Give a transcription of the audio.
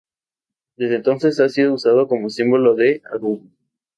Desde entonces ha sido usado como símbolo de Aruba.